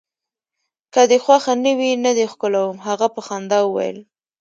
که دي خوښه نه وي، نه دي ښکلوم. هغه په خندا وویل.